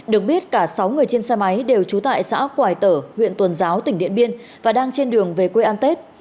được biết cả sáu người trên xe máy đều trú tại xã quài tở huyện tuần giáo tỉnh điện biên và đang trên đường về quê ăn tết